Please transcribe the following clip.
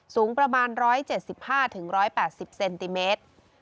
สูงประมาณ๑๗๕๑๘๐เซนติเมตร